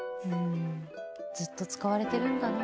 ずっと使われてるんだな。